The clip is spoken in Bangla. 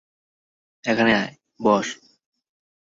এখানে আয়, বস।